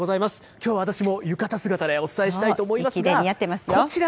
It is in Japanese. きょう、私も浴衣姿でお伝えした似合ってますよ。